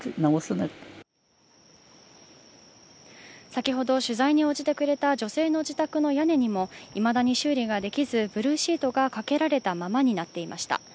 先ほど取材に応じてくれた女性の自宅の屋根にもいまだに修理ができず、ブルーシートがかけられたままになっていました。